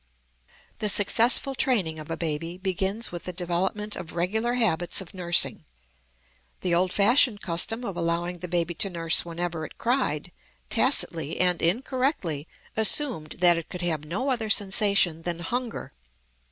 The successful training of a baby begins with the development of regular habits of nursing. The old fashioned custom of allowing the baby to nurse whenever it cried, tacitly and incorrectly assumed that it could have no other sensation than hunger.